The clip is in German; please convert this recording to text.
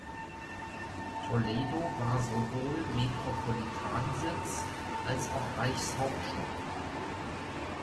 Toledo war sowohl Metropolitansitz als auch Reichshauptstadt.